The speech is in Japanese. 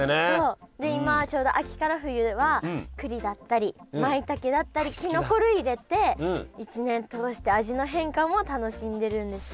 で今ちょうど秋から冬はくりだったりまいたけだったりきのこ類入れて一年通して味の変化も楽しんでるんですって。